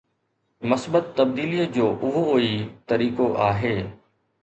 مثبت تبديليءَ جو اهو ئي طريقو آهي.